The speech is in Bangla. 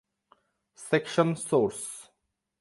section source